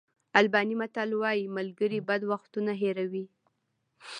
آلباني متل وایي ملګري بد وختونه هېروي.